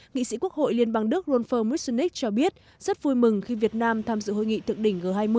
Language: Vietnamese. nghị sĩ quốc hội liên bang đức ronfa musiness cho biết rất vui mừng khi việt nam tham dự hội nghị thượng đỉnh g hai mươi